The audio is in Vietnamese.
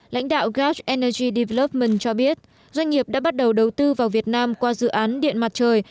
lãnh đạo gap energy dlubman cho biết doanh nghiệp đã bắt đầu đầu tư vào việt nam qua dự án điện mặt trời